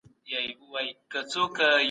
هغه پوهاند دی، چي د روان تاریخ مسایل حل کوي.